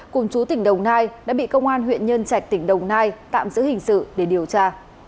cùng chú tỉnh đồng nai đã bị công an huyện nhân trạch tỉnh đồng nai tạm giữ hình sự để điều tra